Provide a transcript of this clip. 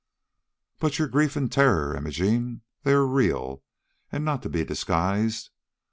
"But your grief and terror, Imogene? They are real, and not to be disguised.